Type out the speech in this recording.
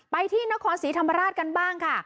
ไปที่นครศรีธรรมราชกันบ้างค่ะ